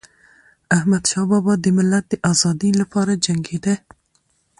احمدشاه بابا د ملت د ازادی لپاره جنګيده.